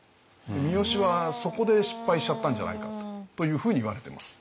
三好はそこで失敗しちゃったんじゃないかというふうにいわれています。